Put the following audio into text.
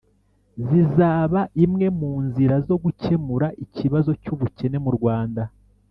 zizaba imwe mu nzira zo gukemura ikibazo cy'ubukene mu rwanda.